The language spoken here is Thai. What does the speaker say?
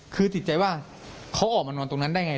คือติดใจว่าเขาออกมานอนตรงนั้นได้ไง